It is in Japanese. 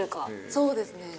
そうですね。